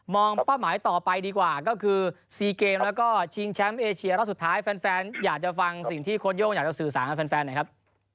เป้าหมายต่อไปดีกว่าก็คือ๔เกมแล้วก็ชิงแชมป์เอเชียรอบสุดท้ายแฟนอยากจะฟังสิ่งที่โค้ดโย่งอยากจะสื่อสารกับแฟนหน่อยครับ